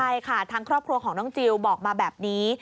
ใช่ค่ะทางครอบครัวของน้องจิลบอกมาแบบนี้